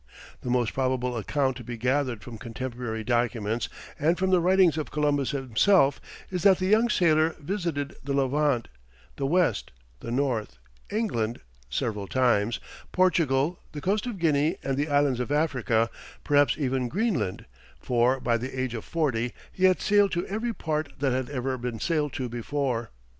The most probable account to be gathered from contemporary documents and from the writings of Columbus himself, is that the young sailor visited the Levant, the west, the north, England several times, Portugal, the coast of Guinea, and the islands of Africa, perhaps even Greenland, for, by the age of forty "he had sailed to every part that had ever been sailed to before."